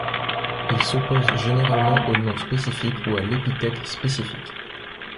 Il s’oppose généralement au nom spécifique ou à l’épithète spécifique.